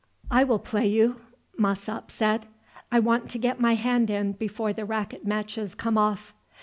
"I will play you," Mossop said. "I want to get my hand in before the racket matches come off."